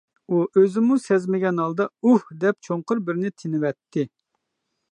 ئۇ ئۆزىمۇ سەزمىگەن ھالدا «ئۇھ» دەپ چوڭقۇر بىرنى تىنىۋەتتى.